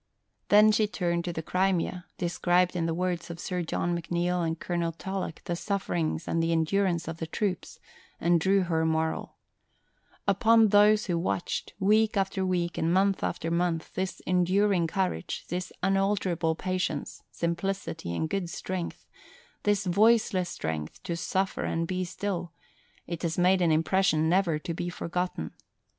Then she turned to the Crimea, described in the words of Sir John McNeill and Colonel Tulloch the sufferings and the endurance of the troops, and drew her moral: "Upon those who watched, week after week and month after month, this enduring courage, this unalterable patience, simplicity, and good strength, this voiceless strength to suffer and be still, it has made an impression never to be forgotten.